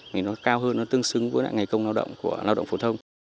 thì nó cao hơn nó tương xứng với lại ngày công lao động của lao động phổ thông